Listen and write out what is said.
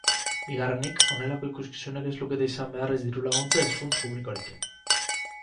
Bigarrenik, honelako ikuskizunek ez lukete izan behar ez diru-laguntza ez funts publikorik.